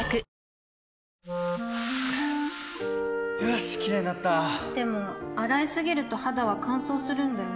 よしキレイになったでも、洗いすぎると肌は乾燥するんだよね